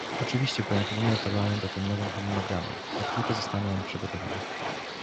Oczywiście poinformuję Parlament o tym nowym harmonogramie, jak tylko zostanie on przygotowany